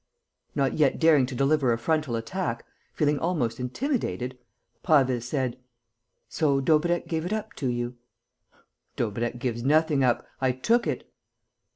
Not yet daring to deliver a frontal attack, feeling almost intimidated, Prasville said: "So Daubrecq gave it up to you?" "Daubrecq gives nothing up. I took it."